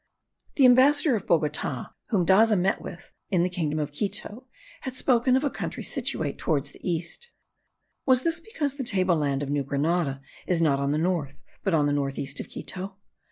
The ambassador of Bogota, whom Daza met with in the kingdom of Quito, had spoken of a country situate toward the east. Was this because the table land of New Granada is not on the north, but on the north east of Quito?